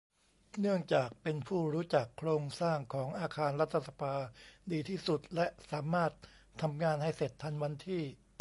เนื่องจากเป็นผู้รู้จักโครงสร้างของอาคารรัฐสภาดีที่สุด และ สามารถทำงานให้เสร็จทันวันที่